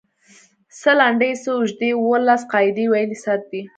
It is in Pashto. څۀ لنډې څۀ اوږدې اووه لس قاعدې ويلی سر دی